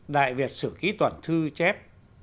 đại việt sử ký toàn thư chép